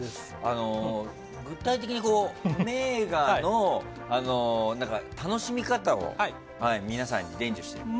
具体的に名画の楽しみ方を皆さんに伝授していると。